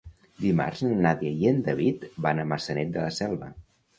Dimarts na Nàdia i en David van a Maçanet de la Selva.